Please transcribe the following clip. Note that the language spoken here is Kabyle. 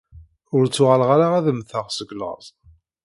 Ur ttuɣaleɣ ara ad mmteɣ seg llaẓ.